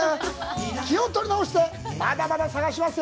気を取り直して、まだまだ探します！